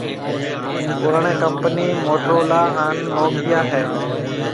پُراڻِي ڪمپني موٽورولا ھان نوڪيا ھيََََ